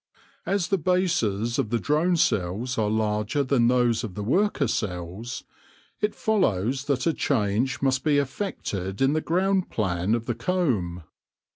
As the bases of the drone cells are larger than those of the worker cells, it follows that a change must be effected in the ground plan of the comb.